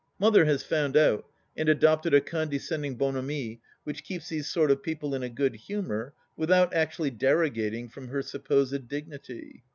Mother has found out and adopted a condescending bonhomie which keeps these sort of people in a good humour without actually derogating from her supposed dignity.